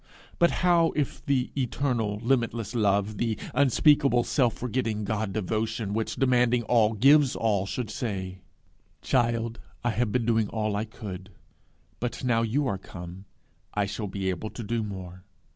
But how if the eternal, limitless Love, the unspeakable, self forgetting God devotion, which, demanding all, gives all, should say, 'Child, I have been doing all I could; but now you are come, I shall be able to do more!